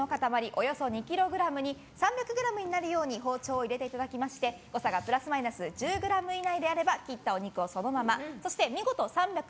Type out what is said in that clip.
およそ２ｋｇに３００ｇになるように包丁を入れていただきまして誤差がプラスマイナス１０ｇ以内であれば切ったお肉をそのままそして見事３００